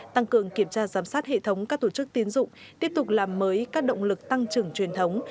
tăng cường kiểm tra giám sát hệ thống các tổ chức tiến dụng tiếp tục làm mới các động lực tăng trưởng truyền thống